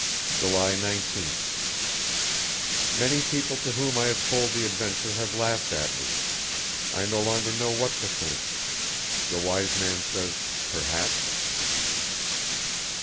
July 19th. Many people to whom I have told the adventure have laughed at me. I no longer know what to think. The wise man says: Perhaps?